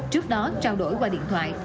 trước đó trao đổi qua điện thoại